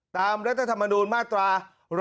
ตามรัฐธรรมนุนมาตรา